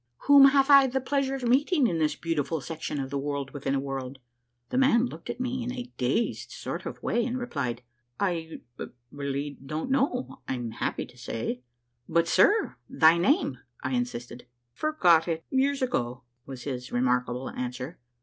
" Whom have I the pleasure of meeting in this beautiful sec tion of the World within a World?" The man looked at me in a dazed sort of way and replied, —" I really don't know. I'm happy to say." " But, sir, thy name !" I insisted. " Forgot it years ago," was his remarkable answer.